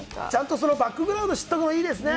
バックグラウンド知ったほうがいいですね。